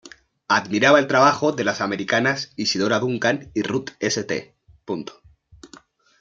Admiraba el trabajo de las americanas Isadora Duncan y Ruth St.